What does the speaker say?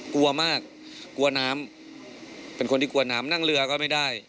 กลัวมากกลัวน้ำเป็นคนที่กลัวน้ำนั่งเรือก็ไม่ได้